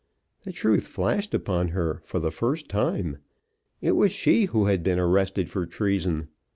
The truth flashed upon her, for the first time. It was she who had been arrested for treason.